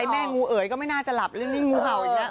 แม่งูเอ๋ยก็ไม่น่าจะหลับแล้วนี่แม่งูเห่าอีกนะ